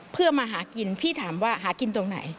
เพื่อมาหากินพี่ถามว่าหากินตรงไหน